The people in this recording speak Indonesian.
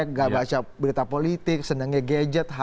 nggak baca berita politik senangnya gadget